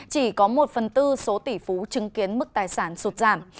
chỉ có một phần tư số tỷ phú chứng kiến mức tài sản sụt giảm